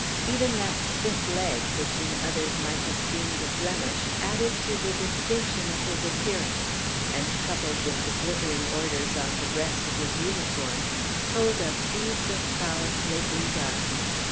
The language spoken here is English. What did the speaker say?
Even that stiff leg, which in others might have seemed a blemish, added to the distinction of his appearance, and, coupled with the glittering orders on the breast of his uniform, told of deeds of prowess lately done.